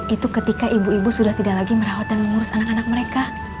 itu ketika ibu ibu sudah tidak lagi merawat dan mengurus anak anak mereka